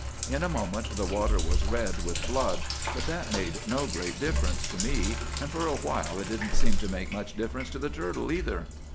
In a moment the water was red with blood; but that made no great difference to me, and for a while it didn't seem to make much difference to the turtle either.